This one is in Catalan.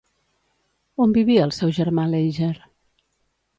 On vivia el seu germà Leiger?